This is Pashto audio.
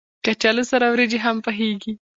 کچالو سره وريجې هم پخېږي